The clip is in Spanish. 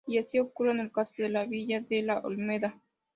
Y así ocurre en el caso de la villa de la Olmeda.